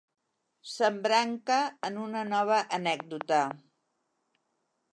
S'embranca en una nova anècdota.